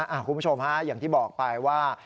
คุณผู้ชมฮะอย่างที่บอกไปว่า